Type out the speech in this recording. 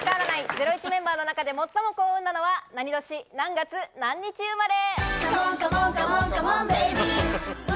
ゼロイチメンバーの中で最も幸運なのは何年何月何日生まれ？